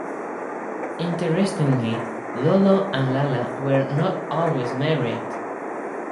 Interestingly, Lolo and Lala were not always married.